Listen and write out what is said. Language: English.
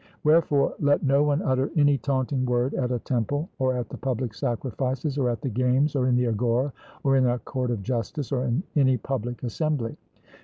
Wherefore let no one utter any taunting word at a temple, or at the public sacrifices, or at the games, or in the agora, or in a court of justice, or in any public assembly.